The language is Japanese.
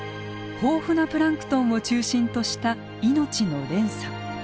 豊富なプランクトンを中心とした命の連鎖。